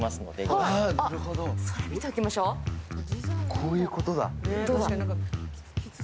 こういうことだ。